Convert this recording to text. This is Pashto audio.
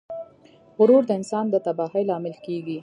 غرور د انسان د تباهۍ لامل کیږي.